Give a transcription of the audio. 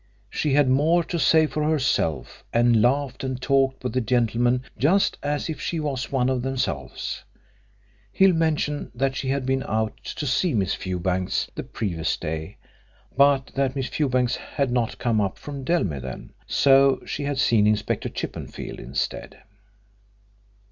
She had more to say for herself, and laughed and talked with the gentlemen just as if she was one of themselves. Hill mentioned that she had been out to see Miss Fewbanks the previous day, but that Miss Fewbanks had not come up from Dellmere then, so she had seen Inspector Chippenfield instead.